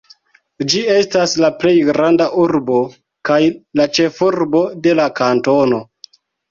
Ĝi estas la plej granda urbo, kaj la ĉefurbo de la kantono.